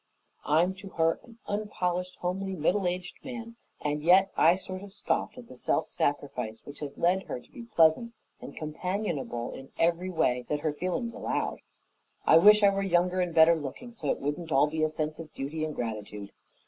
I'm to her an unpolished, homely, middle aged man, and yet I sort of scoffed at the self sacrifice which has led her to be pleasant and companionable in every way that her feelings allowed. I wish I were younger and better looking, so it wouldn't all be a sense of duty and gratitude.